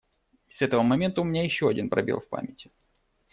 И с этого момента у меня еще один пробел в памяти.